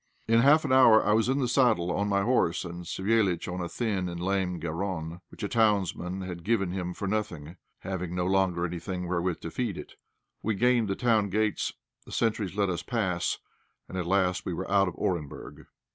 In half an hour I was in the saddle on my horse, and Savéliitch on a thin and lame "garron," which a townsman had given him for nothing, having no longer anything wherewith to feed it. We gained the town gates; the sentries let us pass, and at last we were out of Orenburg.